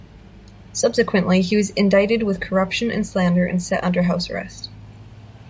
Subsequently, he was indicted with corruption and slander and set under house arrest.